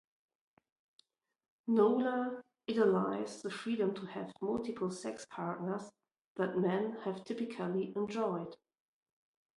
Nola idealizes the freedom to have multiple sex partners that men have typically enjoyed.